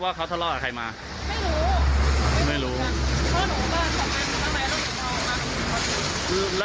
แล้วเราเห็นบาดแผลเขาไหมเห็นเลือดแล้วเห็นบาดแผลไหม